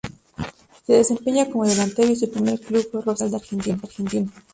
Se desempeña como delantero y su primer club fue Rosario Central de Argentina.